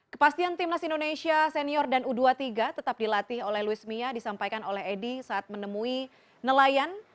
kepastian timnas indonesia senior dan u dua puluh tiga tetap dilatih oleh luis mia disampaikan oleh edi saat menemui nelayan